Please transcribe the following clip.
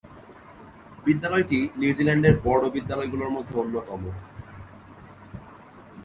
বিদ্যালয়টি নিউজিল্যান্ডের বড়ো বিদ্যালয়গুলোর মধ্যে অন্যতম